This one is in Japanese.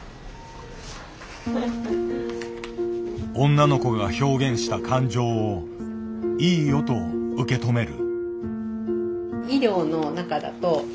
女の子が表現した感情を「いいよ」と受け止める。